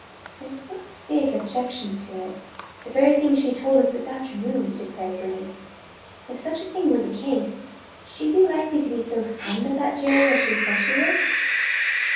"There 's one big objection to it – the very thing she told us this afternoon," declared Bernice. "If such a thing were the case, would she be likely to be so fond of that Jerry as she says she is?"